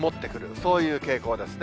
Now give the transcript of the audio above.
そういう傾向ですね。